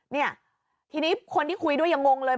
เนี่ยทีนี้คนที่คุยด้วยยังงงเลย